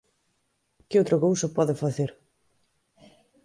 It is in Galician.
¿Que outra cousa pode facer?